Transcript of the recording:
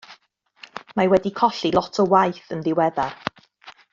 Mae wedi colli lot o waith yn ddiweddar.